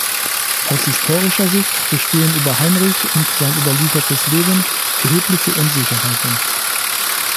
Aus historischer Sicht bestehen über Heinrich und sein überliefertes Leben erhebliche Unsicherheiten.